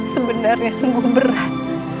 sebenarnya sungguh berat